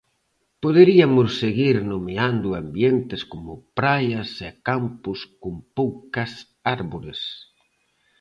Poderiamos seguir nomeando ambientes como praias e campos con poucas árbores.